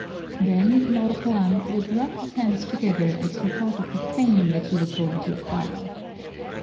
Then Ñor Juan would rub his hands together as he thought of the fame that he was going to acquire.